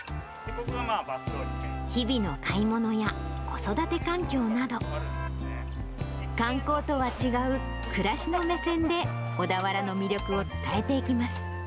日々の買い物や、子育て環境など、観光とは違う暮らしの目線で小田原の魅力を伝えていきます。